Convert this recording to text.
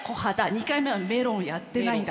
２回目はメロンやってないんだ。